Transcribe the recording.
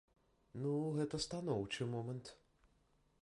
Ну, гэта станоўчы момант.